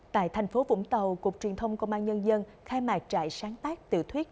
tại thành phố vũng tàu cục truyền thông công an nhân dân khai mạc trại sáng tác tiểu thuyết